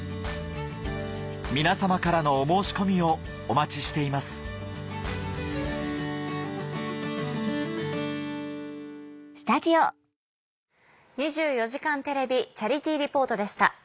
皆様からのお申し込みをお待ちしています「２４時間テレビチャリティー・リポート」でした。